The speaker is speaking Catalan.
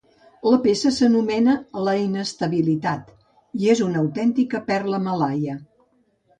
La peça s'anomena "La inestabilitat" i és una autèntica perla malaia.